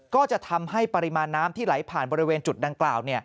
ก็จะทำให้ปริมาณน้ำที่ไหลผ่านบริเวณจุดดังกล่าว